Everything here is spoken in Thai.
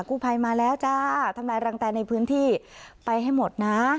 กู้ภัยมาแล้วจ้าทำลายรังแตในพื้นที่ไปให้หมดนะ